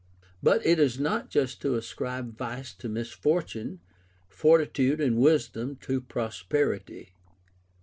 But it is not just to ascribe vice to misfortune, fortitude and wisdom to prosperity.